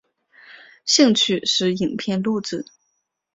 兴趣是影片录制。